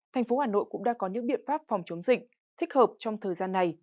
thành phố hà nội cũng đã có những biện pháp phòng chống dịch thích hợp trong thời gian này